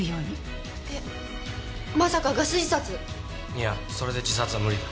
いやそれで自殺は無理だ。